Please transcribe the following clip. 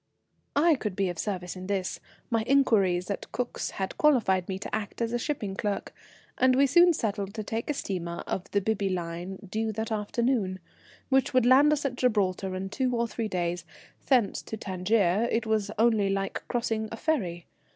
I could be of service in this; my inquiries at Cook's had qualified me to act as a shipping clerk, and we soon settled to take a steamer of the Bibby Line due that afternoon, which would land us at Gibraltar in two or three days. Thence to Tangier was only like crossing a ferry.